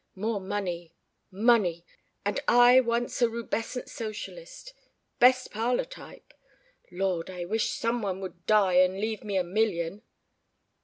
More money. Money! And I once a rubescent socialist ... best parlor type ... Lord! I wish some one would die and leave me a million!"